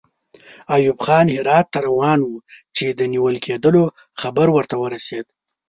ایوب خان هرات ته روان وو چې د نیول کېدلو خبر ورته ورسېد.